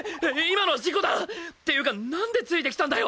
今のは事故だ！っていうかなんでついてきたんだよ！？